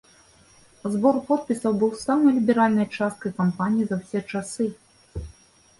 Збор подпісаў быў самай ліберальнай часткай кампаніі за ўсе часы.